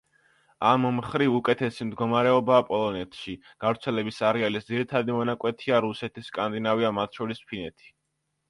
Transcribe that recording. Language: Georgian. ამ მხრივ, უკეთესი მდგომარეობაა პოლონეთში; გავრცელების არეალის ძირითადი მონაკვეთია რუსეთი, სკანდინავია, მათ შორის ფინეთი.